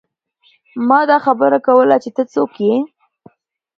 ما دا خبره کوله چې ته څوک يې ۔